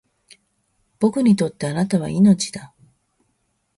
僕にとって貴方は命だ